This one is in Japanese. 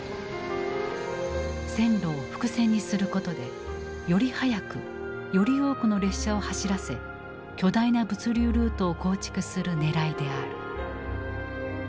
線路を複線にすることでより早くより多くの列車を走らせ巨大な物流ルートを構築するねらいである。